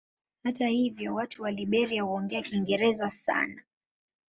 Hata hivyo watu wa Liberia huongea Kiingereza sana.